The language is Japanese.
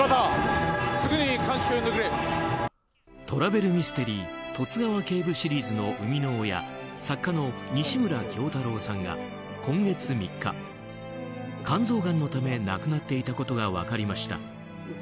トラベルミステリー「十津川警部」シリーズの生みの親作家の西村京太郎さんが今月３日肝臓がんのため亡くなっていたことが分かりました。